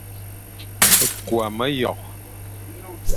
Küa meyokh,